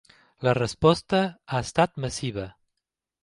La resposta ha estat massiva.